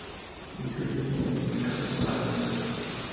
Muchos de ellos tienen dedicado un arco histórico.